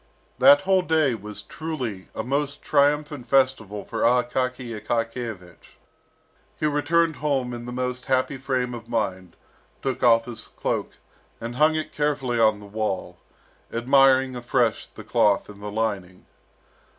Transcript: That whole day was truly a most triumphant festival for Akaky Akakiyevich. He returned home in the most happy frame of mind, took off his cloak, and hung it carefully on the wall, admiring afresh the cloth and the lining.